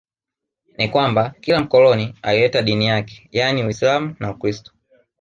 Ni kwamba kila mkoloni alileta dini yake yaani Uislamu na Ukristo